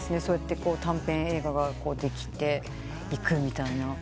そうやって短編映画ができていくみたいな。